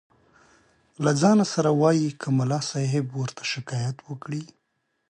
له ځانه سره وایي که ملا صاحب ورته شکایت وکړ.